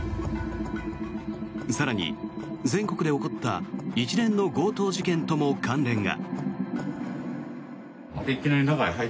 更に、全国で起こった一連の強盗事件とも関連が。